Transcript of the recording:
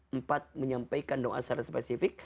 empat menyampaikan doa secara spesifik